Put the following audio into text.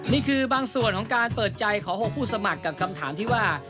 นี่คือบางส่วนของการเปิดใจของ๖ผู้สมัครกับคำถามที่ว่า